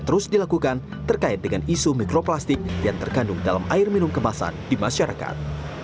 terus dilakukan terkait dengan isu mikroplastik yang terkandung dalam air minum kemasan di masyarakat